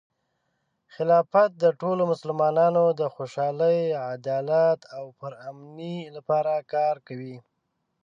خلافت د ټولو مسلمانانو د خوشحالۍ، عدالت، او پرامنۍ لپاره کار کوي.